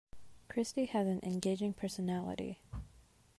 Christy has an engaging personality.